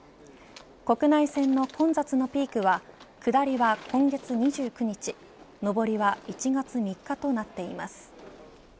国内線の混雑のピークは下りは今月２９日上りは１月３日となっています。